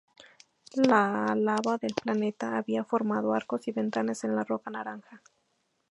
La lava del planeta había formado arcos y ventanas en la roca naranja.